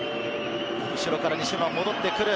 後ろから西村が戻ってくる。